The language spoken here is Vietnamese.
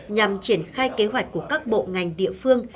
nhằm triển khai kế hoạch của các bộ ngành địa phương